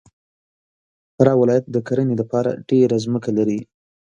فراه ولایت د کرهنې دپاره ډېره مځکه لري.